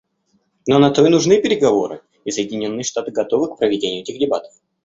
Но на то и нужны переговоры, и Соединенные Штаты готовы к проведению этих дебатов.